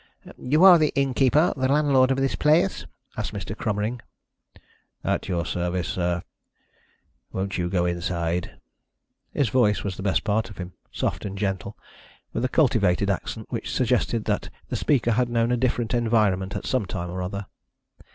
"You are the innkeeper the landlord of this place?" asked Mr. Cromering. "At your service, sir. Won't you go inside?" His voice was the best part of him; soft and gentle, with a cultivated accent which suggested that the speaker had known a different environment at some time or other.